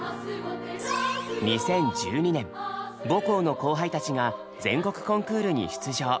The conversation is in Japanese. ２０１２年母校の後輩たちが全国コンクールに出場。